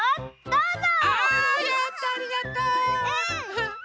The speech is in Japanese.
どうぞ！